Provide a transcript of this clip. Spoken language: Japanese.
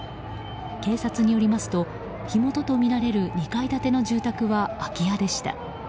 警察によりますと火元とみられる２階建ての住宅は空き家でした。